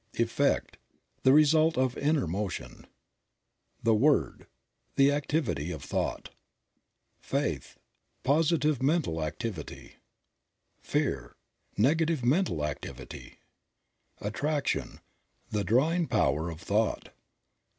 Effect. — The result of inner motion. The Word. — The activity of thought. Faith. — Positive mental activity. Fear. — Negative mental activity. Attraction. — The drawing power of thought.